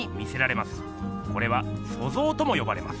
これは「塑造」ともよばれます。